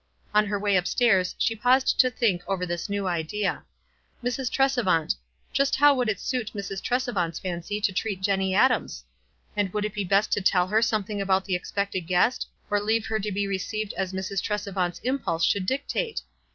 On her way up stairs she paused to think over this new idea. Mrs. Tresevant — just how w T ould it suit Mrs. Tresevant's fancy to treat Jenny Adams ? And would it be best to tell her something about the expected guest, or leave her to be received as Mrs. Tresevant's impulse should dictate?